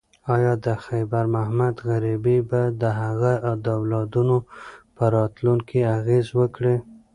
ایا د خیر محمد غریبي به د هغه د اولادونو په راتلونکي اغیز وکړي؟